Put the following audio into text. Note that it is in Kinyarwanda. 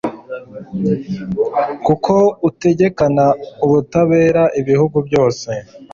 kuko utegekana ubutabera ibihugu byose